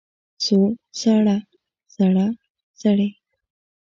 سوړ، ساړه، سړه، سړې.